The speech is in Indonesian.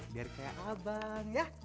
biar kayak abang ya